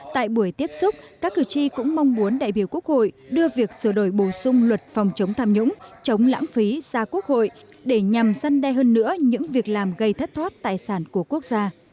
tại buổi tiếp xúc các cử tri cũng mong muốn đại biểu quốc hội đưa việc sửa đổi bổ sung luật phòng chống tham nhũng chống lãng phí ra quốc hội để nhằm săn đe hơn nữa những việc làm gây thất thoát tài sản của quốc gia